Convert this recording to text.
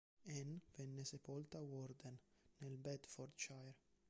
Anne venne sepolta a Warden, nel Bedfordshire.